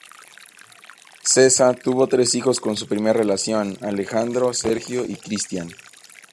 Sessa tuvo tres hijos con su primer relación: Alejandro, Sergio y Cristián.